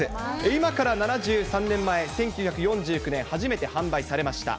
今から７３年前・１９４９年、初めて販売されました。